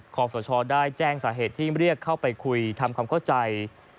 ขอสชได้แจ้งสาเหตุที่เรียกเข้าไปคุยทำความเข้าใจ